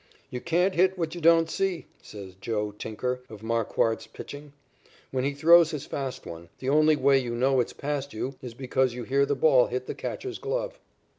"You can't hit what you don't see," says "Joe" Tinker of Marquard's pitching. "When he throws his fast one, the only way you know it's past you is because you hear the ball hit the catcher's glove."